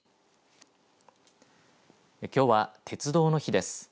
きょうは、鉄道の日です。